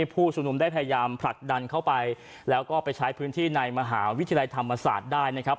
ผู้ชุมนุมได้พยายามผลักดันเข้าไปแล้วก็ไปใช้พื้นที่ในมหาวิทยาลัยธรรมศาสตร์ได้นะครับ